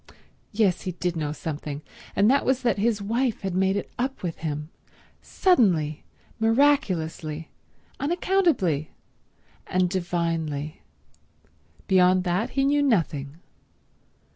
Yes, he did know something, and that was that his wife had made it up with him—suddenly, miraculously, unaccountably, and divinely. Beyond that he knew nothing.